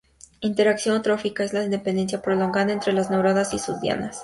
Interacción trófica es la dependencia prolongada entre las neuronas y sus dianas.